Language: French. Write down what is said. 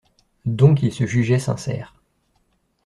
Donc il se jugeait sincère.